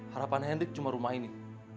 harapan hendrik cuma rumah ini